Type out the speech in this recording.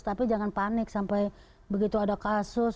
tapi jangan panik sampai begitu ada kasus